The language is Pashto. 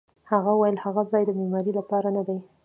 هغه وویل: هغه ځای د معمارۍ لپاره نه دی.